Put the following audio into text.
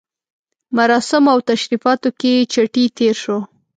مراسمو او تشریفاتو کې چټي تېر شو.